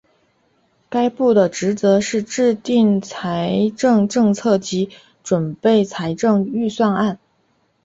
该部的职责是制定财政政策及准备财政预算案。